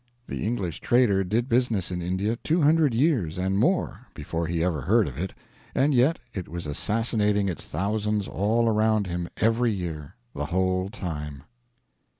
The English trader did business in India two hundred years and more before he ever heard of it; and yet it was assassinating its thousands all around him every year, the whole time.